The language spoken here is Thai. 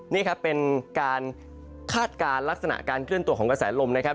นี่ครับเป็นการคาดการณ์ลักษณะการเคลื่อนตัวของกระแสลมนะครับ